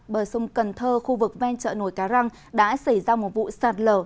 bờ sông cần thơ khu vực ven chợ nổi cá răng đã xảy ra một vụ sạt lở